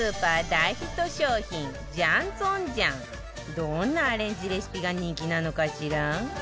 どんなアレンジレシピが人気なのかしら？